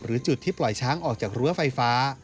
จุดที่ปล่อยช้างออกจากรั้วไฟฟ้า